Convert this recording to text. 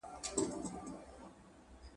سلطنتونه راځي او ځي خو د خدای سلطنت تلپاته دی.